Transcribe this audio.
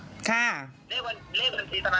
ค่ะเลขบัญชีธนาคาร